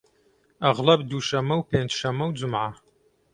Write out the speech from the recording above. ئەغڵەب دووشەممە و پێنج شەممە و جومعە